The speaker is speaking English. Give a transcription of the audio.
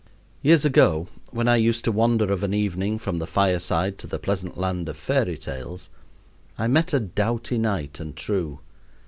Years ago, when I used to wander of an evening from the fireside to the pleasant land of fairy tales, I met a doughty knight and true.